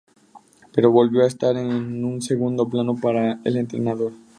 Pero volvió a estar en un segundo plano para el entrenador.